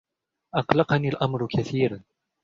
أقلَقني الأمرُ كَثيراً